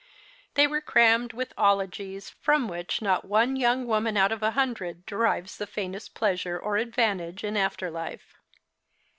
They were crammed with 'ologies from which not one young woman out of a hundred ever derives the faintest pleasure or advantage in after life.